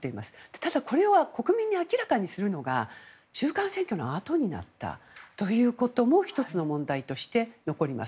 ただ、これは国民に明らかにするのが中間選挙のあとになったということも１つの問題として残ります。